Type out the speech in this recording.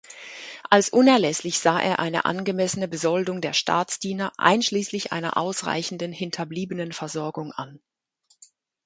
Als unerlässlich sah er eine angemessene Besoldung der Staatsdiener einschließlich einer ausreichenden Hinterbliebenenversorgung an.